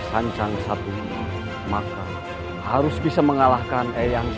sanjang satu maka harus bisa mengalahkan eyang salatim